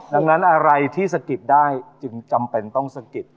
ดังนั้นอะไรที่สะกิดได้จึงจำเป็นต้องสะกิด